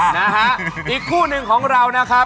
นะฮะอีกคู่หนึ่งของเรานะครับ